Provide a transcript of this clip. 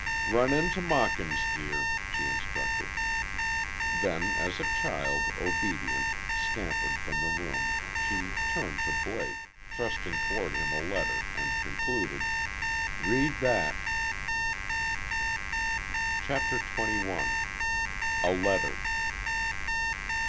"Run in to Mawkins, dear," she instructed. Then, as the child, obedient, scampered from the room, she turned to Blake, thrusting toward him a letter, and concluded: "Read that." CHAPTER TWENTY ONE. A LETTER.